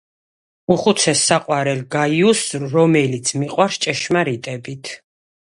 უხუცესი - საყვარელ გაიუსს, რომელიც მიყვარს ჭეშმარიტებით.